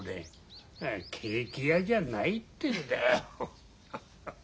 ケーキ屋じゃないってんだよ。